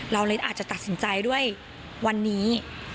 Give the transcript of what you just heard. เราเลยอาจจะตัดสินใจด้วยวันนี้